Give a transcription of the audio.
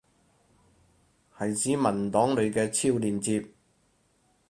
係指文檔裏嘅超連接？